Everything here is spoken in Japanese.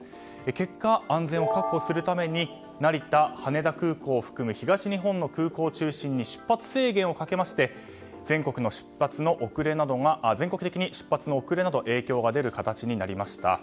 結果、安全を確保するために成田、羽田空港を含む東日本の空港中心に出発制限をかけまして全国的に出発の遅れなど影響が出る形になりました。